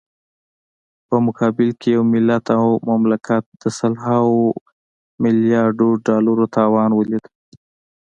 په مقابل کې يې ملت او مملکت د سلهاوو ملیاردو ډالرو تاوان وليد.